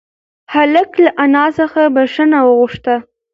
هلک له انا څخه بښنه وغوښته.